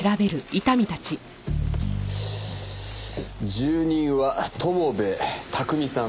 住人は友部巧さん。